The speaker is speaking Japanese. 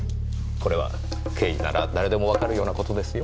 これは刑事なら誰でもわかるような事ですよ。